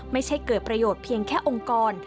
ไม่ใช่เกิดประโยชน์เพียงแค่องค์กร